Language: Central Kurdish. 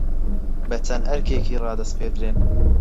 بە چەند ئەرکێکی رادەسپێردرێن